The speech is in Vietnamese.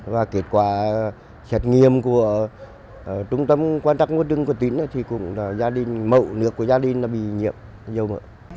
và kết quả xét nghiệm của trung tâm quan trọng quốc trưng quốc tín thì cũng là gia đình mậu nước của gia đình bị nhiễm dầu mỡ